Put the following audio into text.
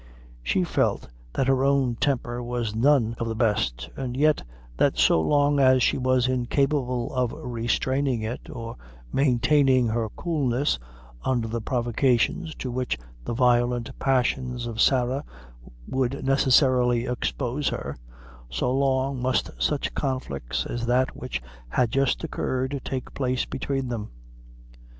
She felt that her own temper was none of the best, and knew that so long as she was incapable of restraining it, or maintaining her coolness under the provocations to which the violent passions of Sarah would necessarily expose her, so long must such conflicts as that which had just occurred take place between them.